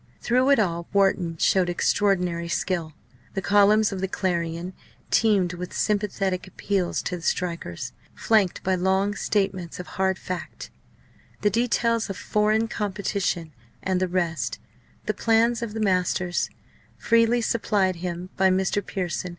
Through it all Wharton showed extraordinary skill. The columns of the Clarion teemed with sympathetic appeals to the strikers, flanked by long statements of "hard fact" the details of foreign competition and the rest, the plans of the masters freely supplied him by Mr. Pearson.